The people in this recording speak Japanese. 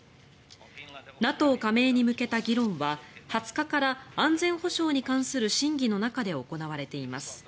ＮＡＴＯ加盟に向けた議論は２０日から安全保障に関する審議の中で行われています。